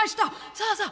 さあさあ